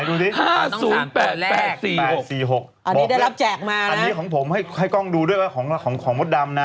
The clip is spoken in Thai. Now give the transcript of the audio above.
อันนี้ของผมให้กล้องดูด้วยว่าของมดดำนะ